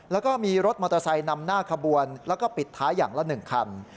แล้วก็มีรถมอเตอร์ไซค์นำหน้าขบวนแล้วก็ปิดท้ายอย่างละ๑คัน